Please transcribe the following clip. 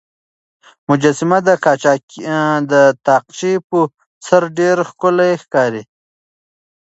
مجسمه د تاقچې په سر ډېره ښکلې ښکارېده.